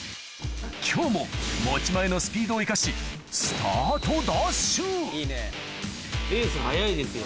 今日も持ち前のスピードを生かしスタートダッシュいいね。